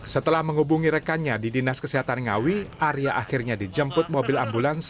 setelah menghubungi rekannya di dinas kesehatan ngawi arya akhirnya dijemput mobil ambulans